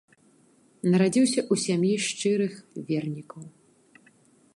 Нарадзіўся ў сям'і шчырых вернікаў.